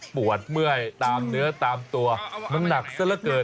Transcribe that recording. ปวดเมื่อยตามเนื้อตามตัวมันหนักซะละเกิน